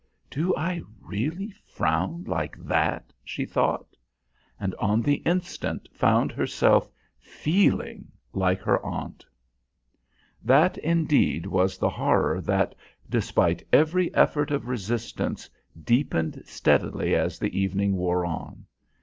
"Do I really frown like that?" she thought. And on the instant found herself feeling like her aunt. That, indeed, was the horror that, despite every effort of resistance, deepened steadily as the evening wore on.